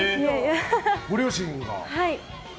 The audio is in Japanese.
ご両親が。